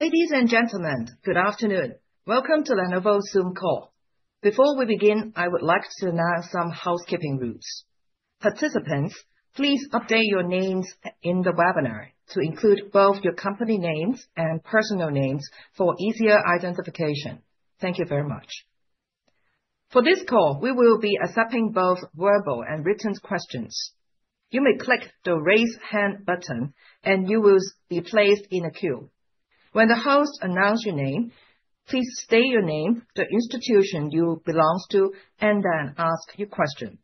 Ladies and gentlemen, good afternoon. Welcome to Lenovo Zoom Call. Before we begin, I would like to announce some housekeeping rules. Participants, please update your names in the webinar to include both your company names and personal names for easier identification. Thank you very much. For this call, we will be accepting both verbal and written questions. You may click the raise hand button, and you will be placed in a queue. When the host announces your name, please state your name, the institution you belong to, and then ask your question.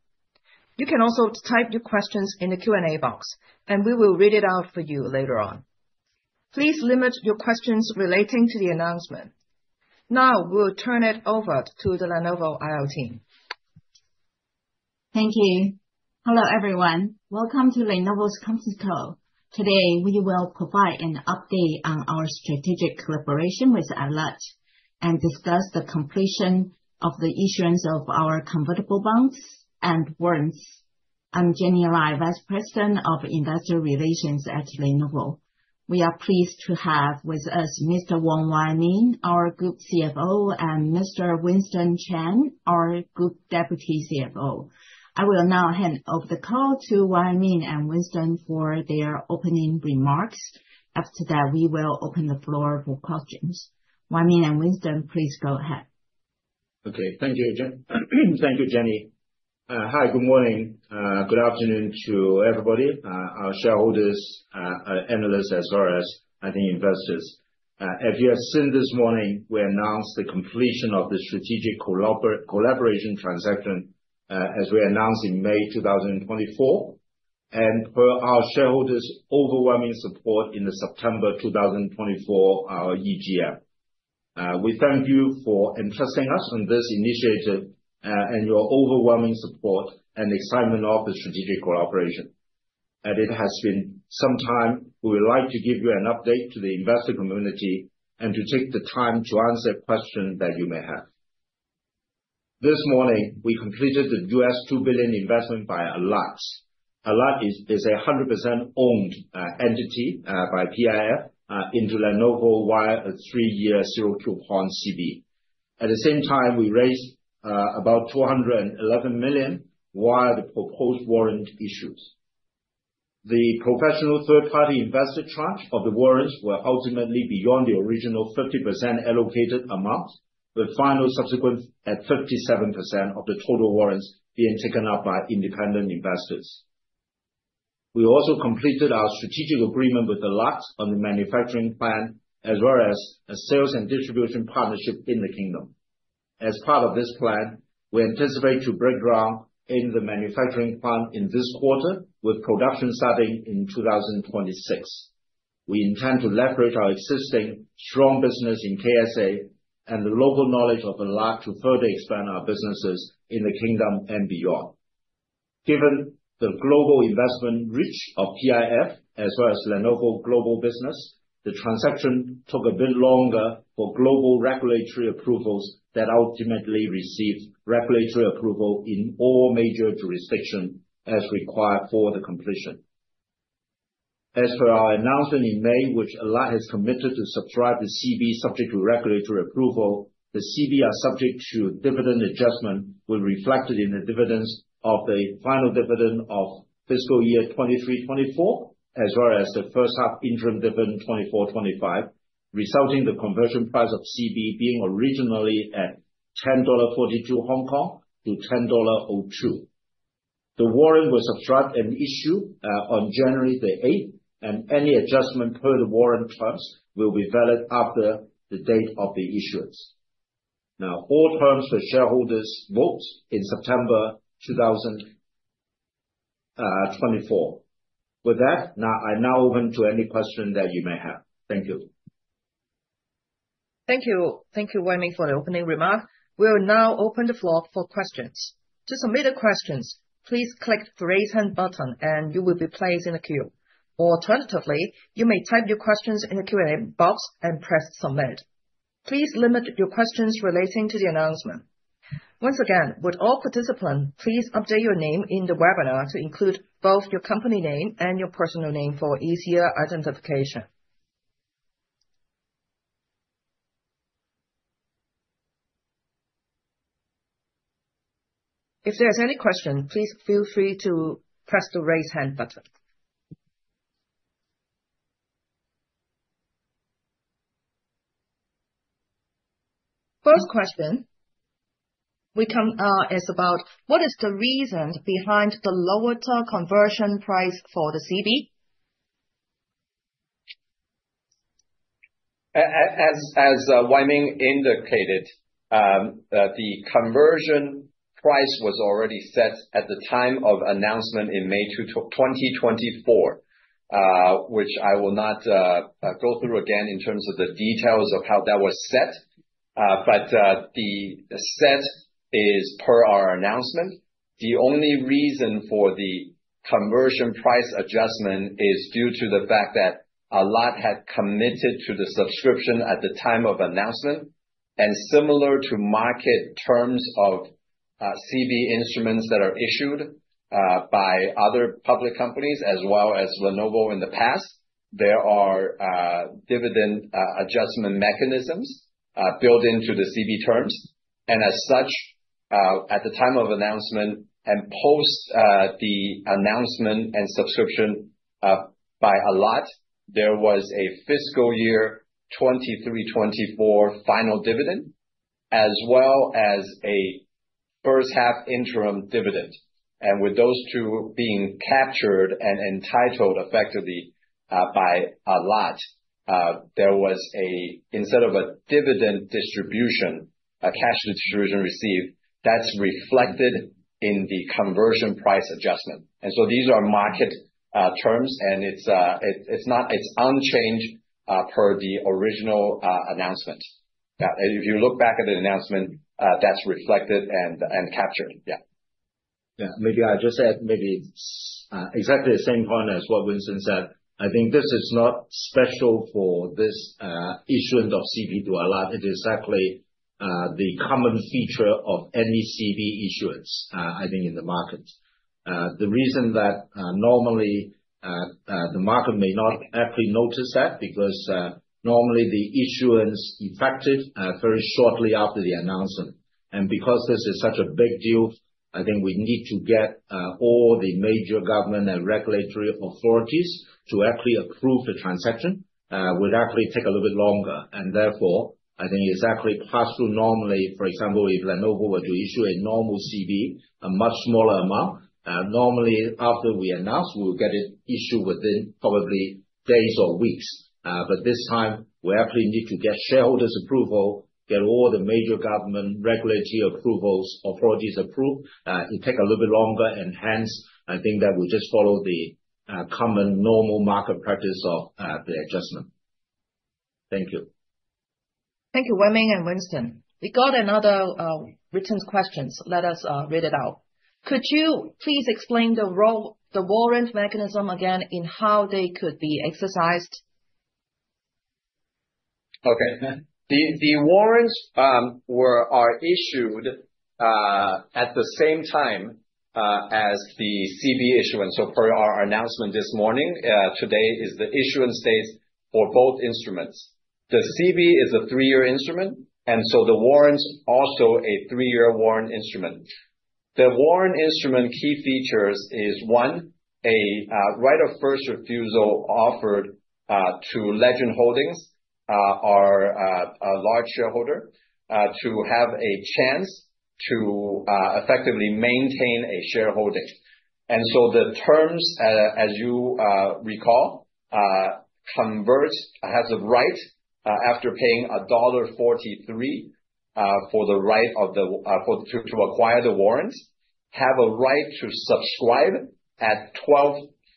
You can also type your questions in the Q&A box, and we will read it out for you later on. Please limit your questions relating to the announcement. Now, we'll turn it over to the Lenovo IR team. Thank you. Hello, everyone. Welcome to Lenovo's company call. Today, we will provide an update on our strategic collaboration with Alat and discuss the completion of the issuance of our convertible bonds and warrants. I'm Jenny Lai, Vice President of Investor Relations at Lenovo. We are pleased to have with us Mr. Wong Wai Ming, our Group CFO, and Mr. Winston Cheng, our Group Deputy CFO. I will now hand over the call to Wai Ming and Winston for their opening remarks. After that, we will open the floor for questions. Wai Ming and Winston, please go ahead. Okay, thank you, Jenny. Hi, good morning. Good afternoon to everybody, our shareholders, analysts, as well as, I think, investors. As you have seen this morning, we announced the completion of the strategic collaboration transaction as we announced in May 2024, and for our shareholders' overwhelming support in the September 2024 EGM. We thank you for your interest in this initiative and your overwhelming support and excitement of the strategic collaboration, and it has been some time we would like to give you an update to the investor community and to take the time to answer questions that you may have. This morning, we completed the $2 billion investment by Alat. Alat is a 100% owned entity by PIF into Lenovo via a three-year zero-coupon CB. At the same time, we raised about $211 million via the proposed warrant issues. The professional third-party investor tranche of the warrants were ultimately beyond the original 50% allocated amount, with final subscription at 57% of the total warrants being taken up by independent investors. We also completed our strategic agreement with Alat on the manufacturing plant, as well as a sales and distribution partnership in the Kingdom. As part of this plan, we anticipate to break ground in the manufacturing plant in this quarter, with production starting in 2026. We intend to leverage our existing strong business in KSA and the local knowledge of Alat to further expand our businesses in the Kingdom and beyond. Given the global investment reach of PIF, as well as Lenovo global business, the transaction took a bit longer for global regulatory approvals that ultimately received regulatory approval in all major jurisdictions as required for the completion. As for our announcement in May, which Alat has committed to subscribe the CB subject to regulatory approval, the CB are subject to dividend adjustment, reflected in the dividends of the final dividend of fiscal year 2023-24, as well as the first half interim dividend 2024-25, resulting in the conversion price of CB being originally at 10.42 Hong Kong dollars to 10.02 dollar. The warrant was subscribed and issued on January the 8th, and any adjustment per the warrant terms will be valid after the date of the issuance. Now, all terms for shareholders vote in September 2024. With that, I now open to any questions that you may have. Thank you. Thank you. Thank you, Wai Ming, for the opening remark. We will now open the floor for questions. To submit a question, please click the raise hand button, and you will be placed in a queue. Alternatively, you may type your questions in the Q&A box and press submit. Please limit your questions relating to the announcement. Once again, with all participants, please update your name in the webinar to include both your company name and your personal name for easier identification. If there's any question, please feel free to press the raise hand button. First question is about what is the reason behind the lower conversion price for the CB? As Wai Ming indicated, the conversion price was already set at the time of announcement in May 2024, which I will not go through again in terms of the details of how that was set. But it was set per our announcement. The only reason for the conversion price adjustment is due to the fact that Alat had committed to the subscription at the time of announcement. And similar to market terms of CB instruments that are issued by other public companies, as well as Lenovo in the past, there are dividend adjustment mechanisms built into the CB terms. And as such, at the time of announcement and post the announcement and subscription by Alat, there was a fiscal year 2023-24 final dividend, as well as a first half interim dividend. With those two being captured and entitled effectively by Alat, there was a, instead of a dividend distribution, a cash distribution received that's reflected in the conversion price adjustment. So these are market terms, and it's unchanged per the original announcement. If you look back at the announcement, that's reflected and captured. Yeah. Yeah, maybe I'll just add maybe exactly the same point as what Winston said. I think this is not special for this issuance of CB to Alat. It is exactly the common feature of any CB issuance, I think, in the market. The reason that normally the market may not actually notice that because normally the issuance is effective very shortly after the announcement. And because this is such a big deal, I think we need to get all the major government and regulatory authorities to actually approve the transaction. It would actually take a little bit longer. And therefore, I think it's actually passed through normally. For example, if Lenovo were to issue a normal CB, a much smaller amount, normally after we announce, we'll get it issued within probably days or weeks. But this time, we actually need to get shareholders' approval, get all the major government regulatory authorities approved. It takes a little bit longer. And hence, I think that we just follow the common normal market practice of the adjustment. Thank you. Thank you, Wai Ming and Winston. We got another written question. Let us read it out. Could you please explain the warrant mechanism again and how they could be exercised? Okay. The warrants were issued at the same time as the CB issuance. So per our announcement this morning, today is the issuance date for both instruments. The CB is a three-year instrument, and so the warrants are also a three-year warrant instrument. The warrant instrument key features is one, a right of first refusal offered to Legend Holdings, our large shareholder, to have a chance to effectively maintain a shareholding. And so the terms, as you recall, Legend has a right after paying dollar 1.43 for the right to acquire the warrants, have a right to subscribe at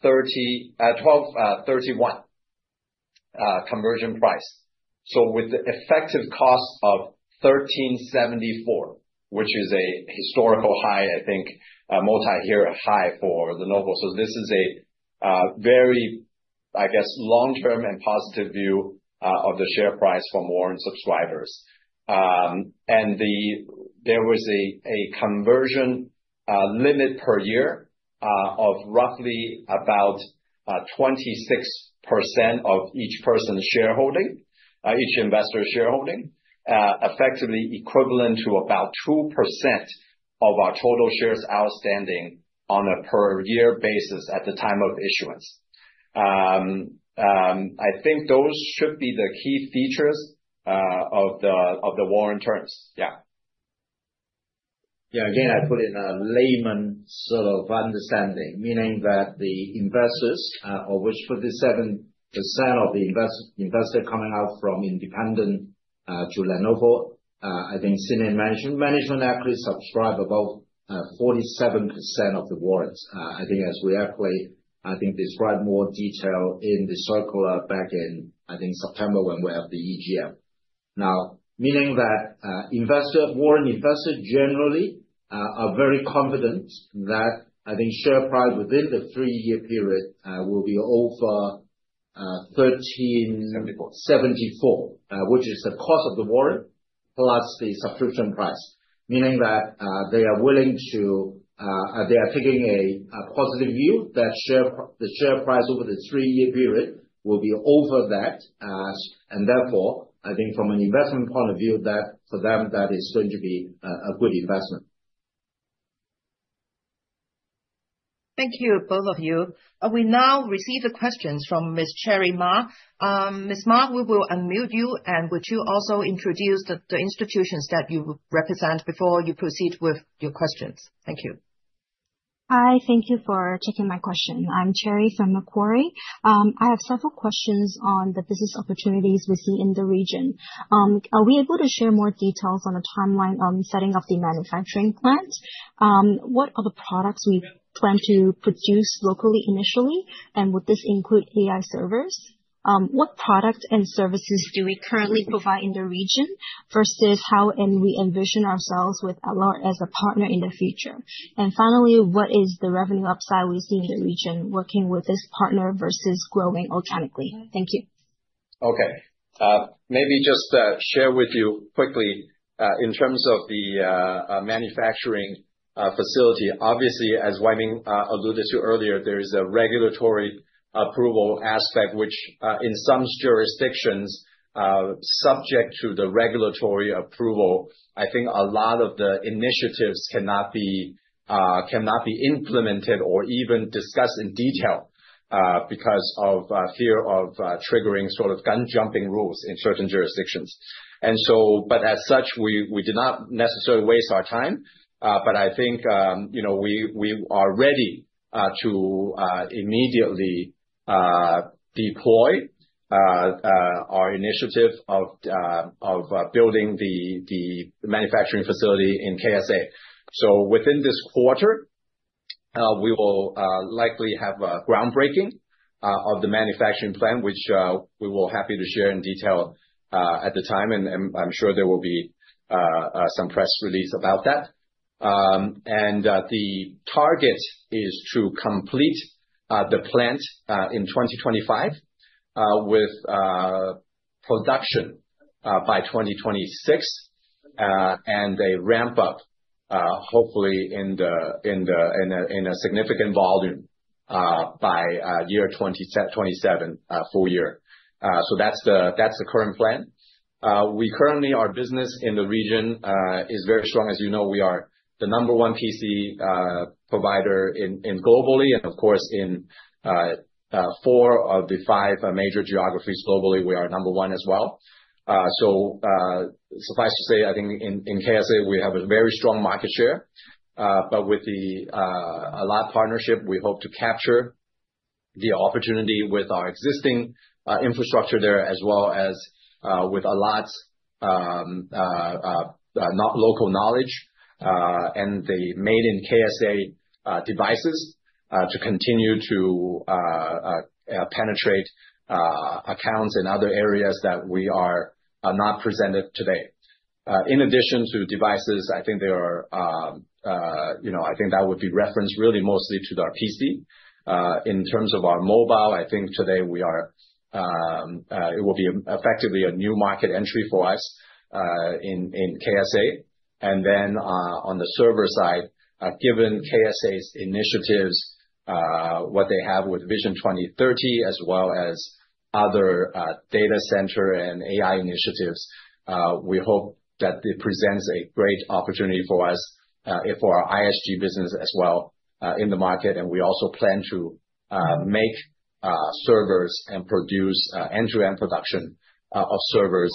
12.31 conversion price. So with the effective cost of 13.74, which is a historical high, I think, multi-year high for Lenovo. So this is a very, I guess, long-term and positive view of the share price for warrant subscribers. There was a conversion limit per year of roughly about 26% of each person's shareholding, each investor's shareholding, effectively equivalent to about 2% of our total shares outstanding on a per-year basis at the time of issuance. I think those should be the key features of the warrant terms. Yeah. Yeah, again, I put in a layman's sort of understanding, meaning that the investors, of which 47% of the investors are coming out from independent to Lenovo, I think senior management actually subscribe above 47% of the warrants. I think as we actually, I think, describe more detail in the circular back in, I think, September when we have the EGM. Now, meaning that warrant investors generally are very confident that I think share price within the three-year period will be over 13.74, which is the cost of the warrant plus the subscription price, meaning that they are willing to, they are taking a positive view that the share price over the three-year period will be over that. And therefore, I think from an investment point of view, that for them, that is going to be a good investment. Thank you, both of you. We now receive the questions from Ms. Cherry Ma. Ms. Ma, we will unmute you, and would you also introduce the institutions that you represent before you proceed with your questions? Thank you. Hi, thank you for taking my question. I'm Cherry from Macquarie. I have several questions on the business opportunities we see in the region. Are we able to share more details on the timeline on setting up the manufacturing plant? What are the products we plan to produce locally initially? And would this include AI servers? What products and services do we currently provide in the region versus how we envision ourselves as a partner in the future? And finally, what is the revenue upside we see in the region working with this partner versus growing organically? Thank you. Okay. Maybe just share with you quickly in terms of the manufacturing facility. Obviously, as Wai Ming alluded to earlier, there is a regulatory approval aspect, which in some jurisdictions subject to the regulatory approval, I think a lot of the initiatives cannot be implemented or even discussed in detail because of fear of triggering sort of gun-jumping rules in certain jurisdictions. And so, but as such, we do not necessarily waste our time, but I think we are ready to immediately deploy our initiative of building the manufacturing facility in KSA. So within this quarter, we will likely have a groundbreaking of the manufacturing plant, which we will be happy to share in detail at the time. And I'm sure there will be some press release about that. And the target is to complete the plant in 2025 with production by 2026 and a ramp-up, hopefully, in a significant volume by year 2027 full year. So that's the current plan. We currently, our business in the region is very strong. As you know, we are the number one PC provider globally. And of course, in four of the five major geographies globally, we are number one as well. So suffice to say, I think in KSA, we have a very strong market share. But with the Alat partnership, we hope to capture the opportunity with our existing infrastructure there, as well as with Alat's local knowledge and the made-in-KSA devices to continue to penetrate accounts in other areas that we are not present today. In addition to devices, I think that would be referenced really mostly to our PC. In terms of our mobile, I think today it will be effectively a new market entry for us in KSA. And then on the server side, given KSA's initiatives, what they have with Vision 2030, as well as other data center and AI initiatives, we hope that it presents a great opportunity for us for our ISG business as well in the market. And we also plan to make servers and produce end-to-end production of servers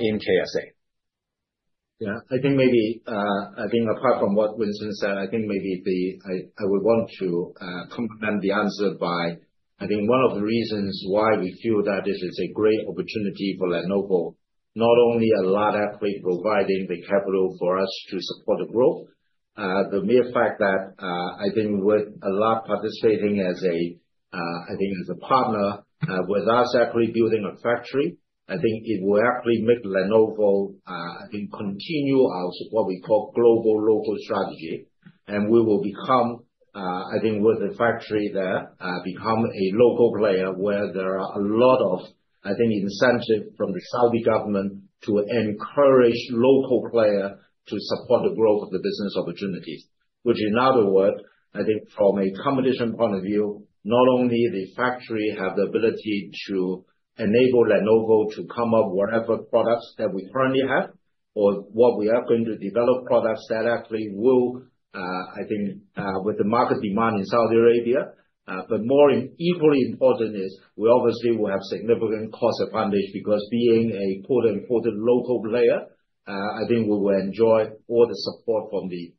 in KSA. Yeah, I think maybe, I think apart from what Winston said, I think maybe I would want to complement the answer by, I think one of the reasons why we feel that this is a great opportunity for Lenovo, not only Alat actually providing the capital for us to support the growth, the mere fact that I think with Alat participating as a, I think as a partner with us actually building a factory, I think it will actually make Lenovo, I think continue our what we call Global-Local strategy. And we will become, I think, with the factory there, a local player where there are a lot of, I think, incentives from the Saudi government to encourage local players to support the growth of the business opportunities, which in other words, I think, from a competition point of view, not only the factory have the ability to enable Lenovo to come up with whatever products that we currently have or what we are going to develop products that actually will, I think, with the market demand in Saudi Arabia. But more equally important is we obviously will have significant cost advantage because being a quote-unquote local player, I think we will enjoy all the support from the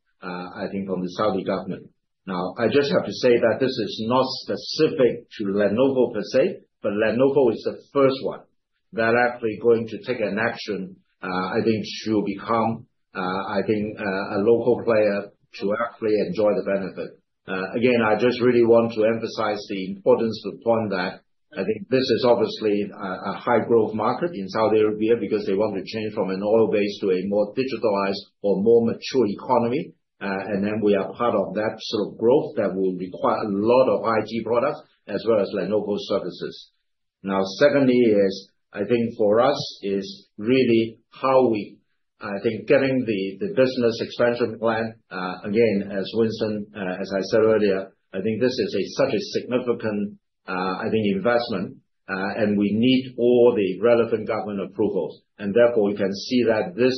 Saudi government. Now, I just have to say that this is not specific to Lenovo per se, but Lenovo is the first one that actually going to take an action, I think to become, I think a local player to actually enjoy the benefit. Again, I just really want to emphasize the importance to point that I think this is obviously a high-growth market in Saudi Arabia because they want to change from an oil-based to a more digitalized or more mature economy. And then we are part of that sort of growth that will require a lot of IT products as well as Lenovo services. Now, secondly is, I think for us is really how we, I think getting the business expansion plan, again, as Winston, as I said earlier, I think this is such a significant, I think investment, and we need all the relevant government approvals. And therefore, we can see that this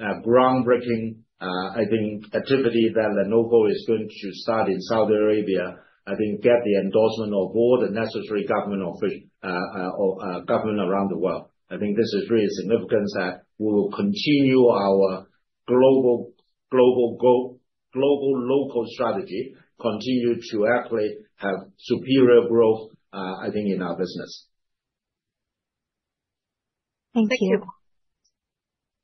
groundbreaking, I think, activity that Lenovo is going to start in Saudi Arabia, I think, gets the endorsement of all the necessary government officials or governments around the world. I think this is really significant that we will continue our Global-Local strategy, continue to actually have superior growth, I think, in our business. Thank you.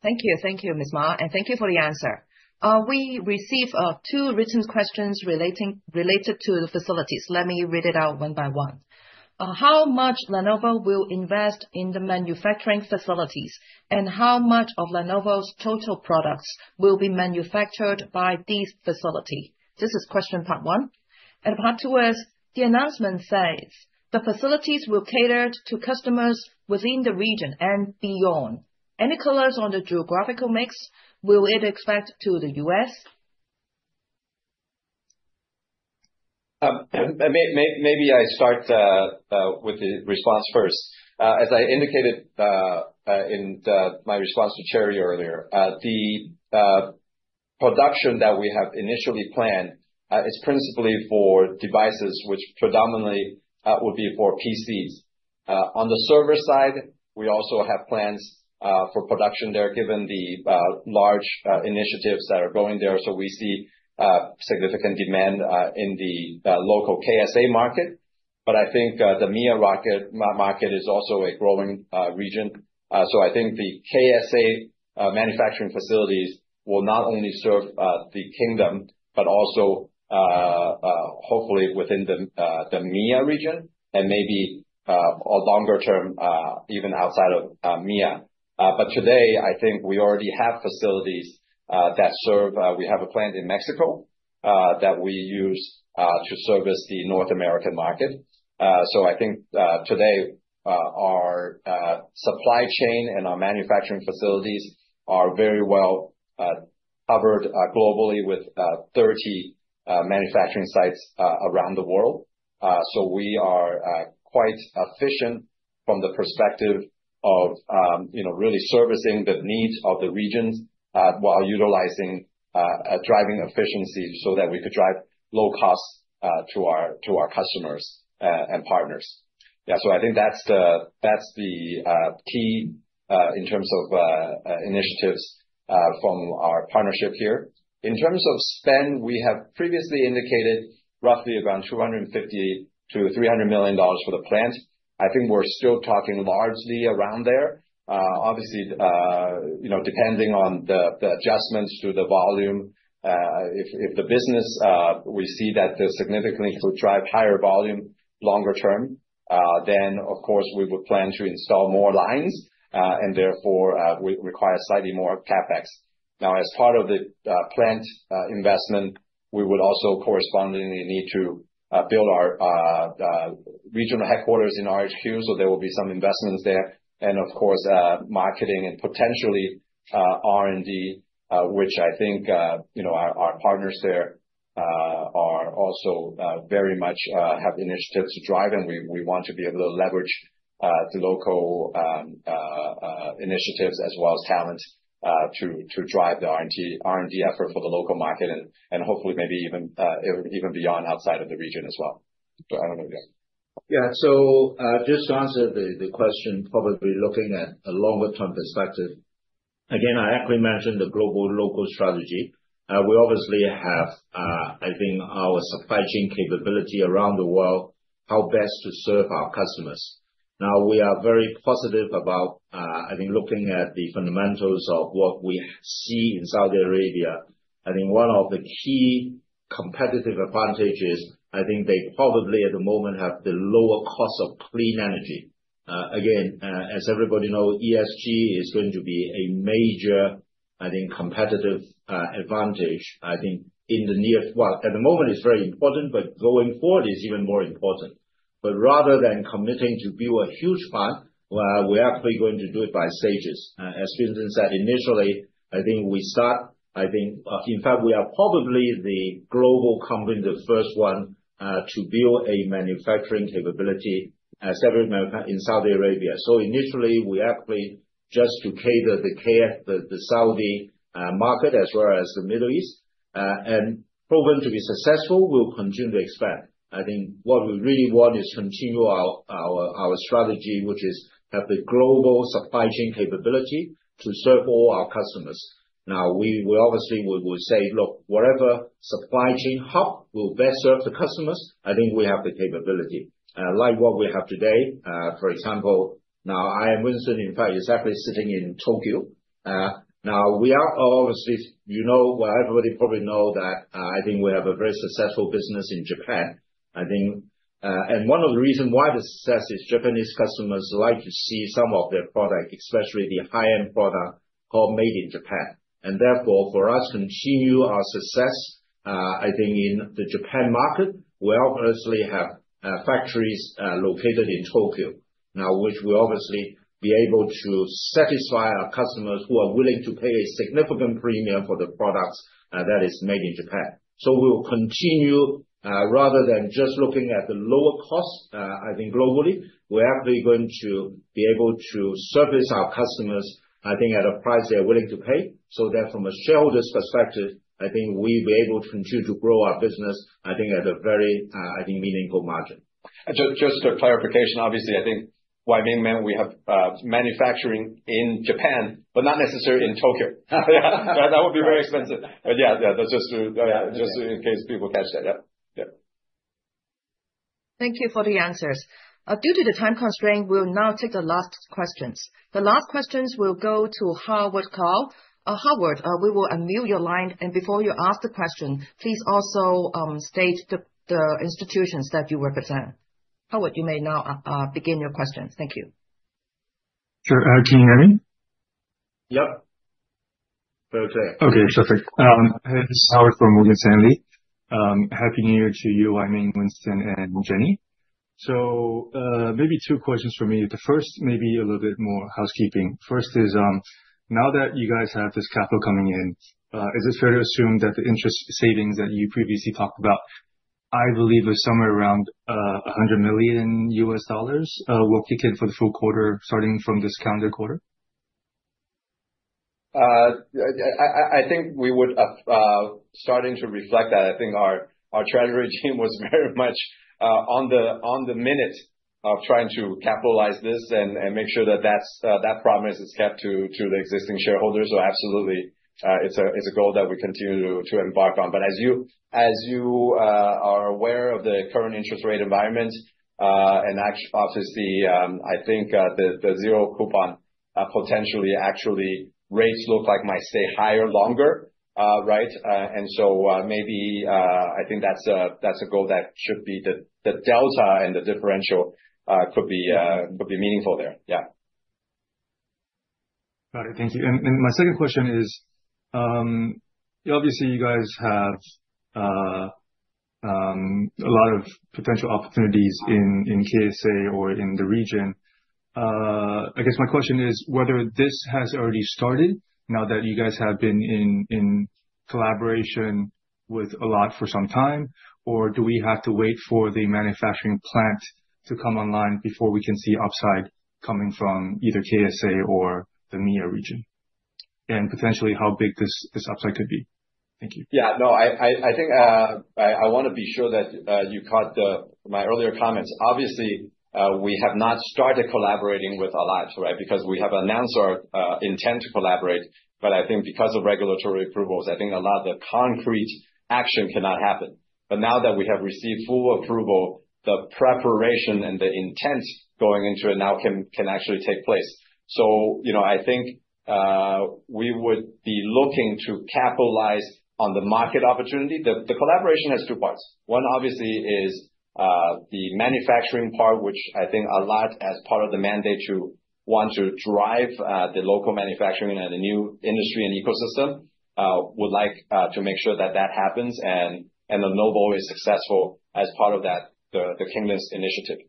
Thank you, Ms. Ma. And thank you for the answer. We received two written questions related to the facilities. Let me read it out one by one. How much Lenovo will invest in the manufacturing facilities? And how much of Lenovo's total products will be manufactured by these facilities? This is question part one. And part two is the announcement says, the facilities will cater to customers within the region and beyond. Any colors on the geographical mix? Will it export to the US? Maybe I start with the response first. As I indicated in my response to Cherry earlier, the production that we have initially planned is principally for devices, which predominantly would be for PCs. On the server side, we also have plans for production there given the large initiatives that are going there. So we see significant demand in the local KSA market. But I think the MEA market is also a growing region. So I think the KSA manufacturing facilities will not only serve the kingdom, but also hopefully within the MEA region and maybe a longer term even outside of MEA. But today, I think we already have facilities that serve. We have a plant in Mexico that we use to service the North American market. So I think today our supply chain and our manufacturing facilities are very well covered globally with 30 manufacturing sites around the world. So we are quite efficient from the perspective of really servicing the needs of the regions while utilizing driving efficiencies so that we could drive low cost to our customers and partners. Yeah, so I think that's the key in terms of initiatives from our partnership here. In terms of spend, we have previously indicated roughly around $250-$300 million for the plant. I think we're still talking largely around there. Obviously, depending on the adjustments to the volume, if the business, we see that significantly could drive higher volume longer term, then of course we would plan to install more lines and therefore require slightly more CapEx. Now, as part of the plant investment, we would also correspondingly need to build our regional headquarters in RHQ. So there will be some investments there. and of course, marketing and potentially R&D, which I think our partners there are also very much have initiatives to drive. And we want to be able to leverage the local initiatives as well as talent to drive the R&D effort for the local market and hopefully maybe even beyond outside of the region as well. So I don't know. Yeah, so just to answer the question, probably looking at a longer term perspective, again, I actually mentioned the global-local strategy. We obviously have, I think, our supply chain capability around the world, how best to serve our customers. Now, we are very positive about, I think, looking at the fundamentals of what we see in Saudi Arabia. I think one of the key competitive advantages, I think they probably at the moment have the lower cost of clean energy. Again, as everybody knows, ESG is going to be a major, I think, competitive advantage, I think in the near well, at the moment it's very important, but going forward it's even more important. But rather than committing to build a huge plant, we're actually going to do it by stages. As Winston said initially, I think we start, I think in fact we are probably the global company, the first one to build a manufacturing capability in Saudi Arabia. So initially we actually just to cater the Saudi market as well as the Middle East and proven to be successful, we'll continue to expand. I think what we really want is continue our strategy, which is have the global supply chain capability to serve all our customers. Now, we obviously will say, look, whatever supply chain hub will best serve the customers, I think we have the capability. Like what we have today, for example, now I am Winston, in fact, is actually sitting in Tokyo. Now we are obviously, you know, everybody probably knows that I think we have a very successful business in Japan. I think, and one of the reasons why the success is Japanese customers like to see some of their product, especially the high-end product made in Japan, and therefore for us to continue our success, I think in the Japan market, we obviously have factories located in Tokyo. Now, which we obviously be able to satisfy our customers who are willing to pay a significant premium for the products that is made in Japan, so we will continue, rather than just looking at the lower cost, I think globally, we're actually going to be able to service our customers, I think at a price they're willing to pay, so that from a shareholder's perspective, I think we'll be able to continue to grow our business, I think at a very, I think meaningful margin. Just a clarification, obviously. I think Wai Ming, we have manufacturing in Japan, but not necessarily in Tokyo. That would be very expensive. But yeah, yeah, that's just in case people catch that. Yeah. Thank you for the answers. Due to the time constraint, we'll now take the last questions. The last questions will go to Howard Kao. Howard, we will unmute your line. And before you ask the question, please also state the institutions that you represent. Howard, you may now begin your question. Thank you. Sure. Can you hear me? Yep. Okay. Okay, perfect. This is Howard from Morgan Stanley. Happy New Year to you, Wai Ming, Winston, and Jenny. So maybe two questions for me. The first, maybe a little bit more housekeeping. First is, now that you guys have this capital coming in, is it fair to assume that the interest savings that you previously talked about, I believe is somewhere around $100 million US dollars will kick in for the full quarter starting from this calendar quarter? I think we're starting to reflect that. I think our treasury team was very much on the money trying to capitalize on this and make sure that that promise is kept to the existing shareholders. So absolutely, it's a goal that we continue to embark on. But as you are aware of the current interest rate environment and obviously, I think the zero-coupon potentially actually rates look like might stay higher longer, right? And so maybe I think that's a goal that should be the delta and the differential could be meaningful there. Yeah. Got it. Thank you. And my second question is, obviously you guys have a lot of potential opportunities in KSA or in the region. I guess my question is whether this has already started now that you guys have been in collaboration with Alat for some time, or do we have to wait for the manufacturing plant to come online before we can see upside coming from either KSA or the MEA region? And potentially how big this upside could be. Thank you. Yeah, no, I think I want to be sure that you caught my earlier comments. Obviously, we have not started collaborating with Alat, right? Because we have announced our intent to collaborate. But I think because of regulatory approvals, I think a lot of the concrete action cannot happen. But now that we have received full approval, the preparation and the intent going into it now can actually take place. So I think we would be looking to capitalize on the market opportunity. The collaboration has two parts. One obviously is the manufacturing part, which I think Alat as part of the mandate to want to drive the local manufacturing and the new industry and ecosystem would like to make sure that that happens and Lenovo is successful as part of that, the Kingdom's initiative.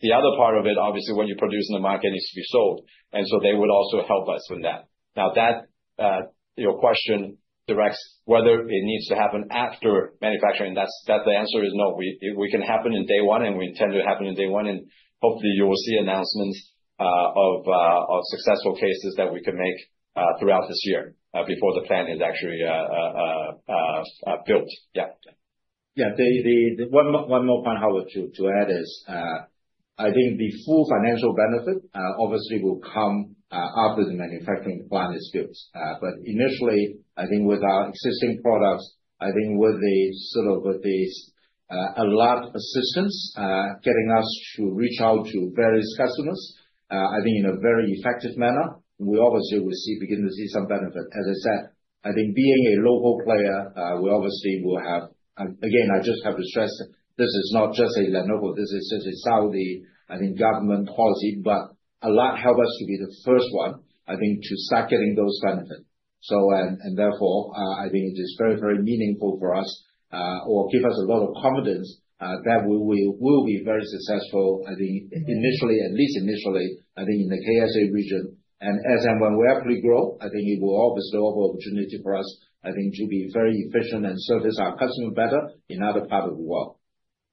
The other part of it, obviously what you produce in the market needs to be sold. And so they would also help us with that. Now that your question directs whether it needs to happen after manufacturing, that the answer is no. We can happen in day one and we intend to happen in day one. And hopefully you will see announcements of successful cases that we can make throughout this year before the plant is actually built. Yeah. Yeah, one more point, Howard, to add is I think the full financial benefit obviously will come after the manufacturing plant is built. But initially, I think with our existing products, I think with the sort of Alat assistance getting us to reach out to various customers, I think in a very effective manner, we obviously will see, begin to see some benefit. As I said, I think being a local player, we obviously will have, again, I just have to stress, this is not just a Lenovo, this is a Saudi, I think government policy, but Alat help us to be the first one, I think to start getting those benefits. So, and therefore, I think it is very, very meaningful for us or give us a lot of confidence that we will be very successful. I think initially, at least initially, I think in the KSA region, and as and when we actually grow, I think it will obviously open opportunity for us, I think to be very efficient and service our customers better in other parts of the world.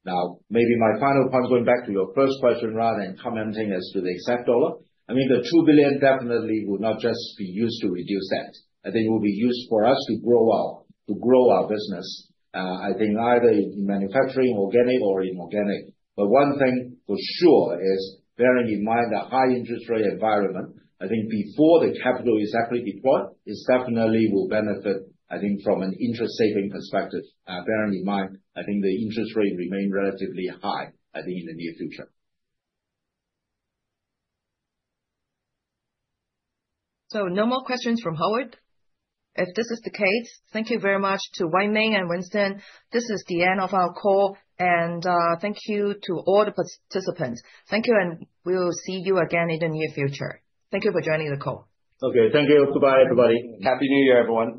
Now, maybe my final point going back to your first question rather than commenting as to the exact dollar, I mean, the $2 billion definitely will not just be used to reduce that. I think it will be used for us to grow our business, I think either in manufacturing, organic or inorganic. But one thing for sure is, bearing in mind the high interest rate environment, I think before the capital is actually deployed, it definitely will benefit, I think, from an interest saving perspective, bearing in mind, I think, the interest rate remains relatively high, I think, in the near future. So no more questions from Howard. If this is the case, thank you very much to Wai Ming and Winston. This is the end of our call. And thank you to all the participants. Thank you, and we will see you again in the near future. Thank you for joining the call. Okay, thank you. Goodbye everybody. Happy New Year, everyone.